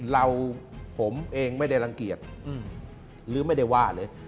เราผมเองไม่ได้รังเกียจหรือไม่ได้ว่าเลย